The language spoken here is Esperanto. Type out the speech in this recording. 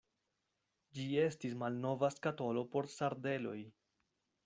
Ĝi estis malnova skatolo por sardeloj.